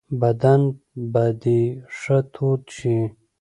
بدن به دي ښه تود شي .